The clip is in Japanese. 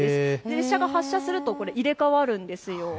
列車が発車すると入れ代わるんです。